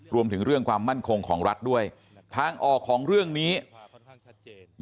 รวมถึงเรื่องความมั่นคงของรัฐด้วยทางออกของเรื่องนี้ค่ะค่อนข้างชัดเจน